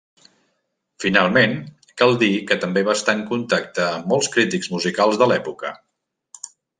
Finalment, cal dir que també va estar en contacte amb molts crítics musicals de l'època.